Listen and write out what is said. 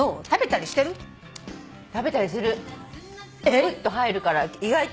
パクッと入るから意外と。